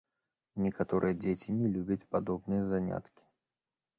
Некаторыя дзеці не любяць падобныя заняткі.